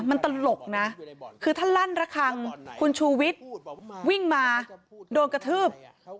มันตลกนะคือถ้าลั่นระคังคุณชูวิทย์วิ่งมาโดนกระทืบ